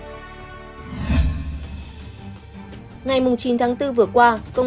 ngày chín tháng bốn người phụ nữ tử vong trên nệm dưới nền nhà với bộ đồ ngủ